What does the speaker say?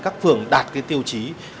các phường đạt cái tiêu chí